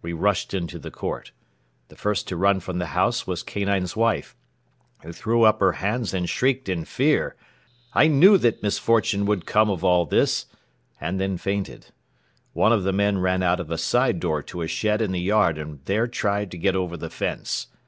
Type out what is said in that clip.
We rushed into the court. The first to run from the house was Kanine's wife, who threw up her hands and shrieked in fear: 'I knew that misfortune would come of all this!' and then fainted. One of the men ran out of a side door to a shed in the yard and there tried to get over the fence.